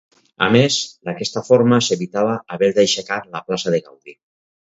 A més, d'aquesta forma s'evitava haver d'aixecar la plaça de Gaudí.